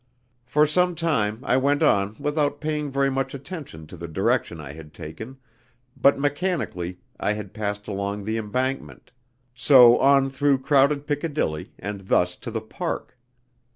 For some time I went on without paying very much attention to the direction I had taken, but mechanically I had passed along the Embankment, so on through crowded Piccadilly, and thus to the Park.